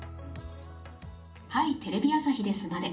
「『はい！テレビ朝日です』まで」